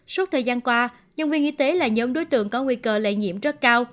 suốt thời gian qua nhân viên y tế là nhóm đối tượng có nguy cơ lây nhiễm rất cao